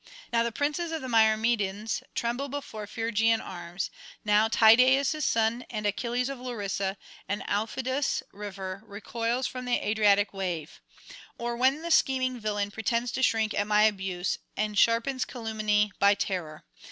Now the princes of the Myrmidons tremble before Phrygian arms, now Tydeus' son and Achilles of Larissa, and Aufidus river recoils from the Adriatic wave. Or when the scheming villain [407 443]pretends to shrink at my abuse, and sharpens calumny by terror!